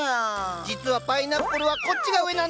実はパイナップルはこっちが上なんだ。